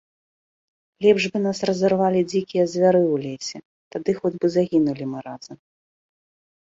- Лепш бы нас разарвалі дзікія звяры ў лесе, тады хоць бы загінулі мы разам